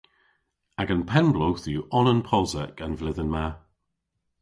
Agan penn-bloodh yw onan posek an vledhen ma.